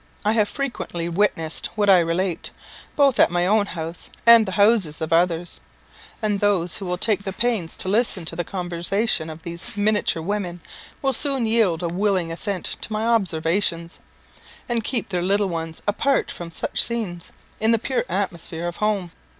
I have frequently witnessed what I relate, both at my own house and the houses of others; and those who will take the pains to listen to the conversation of these miniature women, will soon yield a willing assent to my observations, and keep their little ones apart from such scenes, in the pure atmosphere of home.